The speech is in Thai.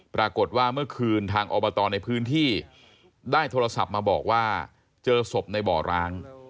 ปรากฏว่าเมื่อคืนทางอบตในพื้นที่ได้โทรศัพท์มาบอกว่าเจอศพในบ่อร้าง